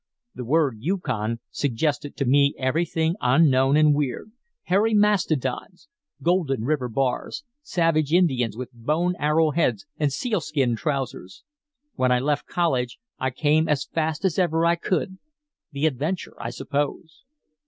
The word 'Yukon' suggested to me everything unknown and weird hairy mastodons, golden river bars, savage Indians with bone arrow heads and seal skin trousers. When I left college I came as fast as ever I could the adventure, I suppose....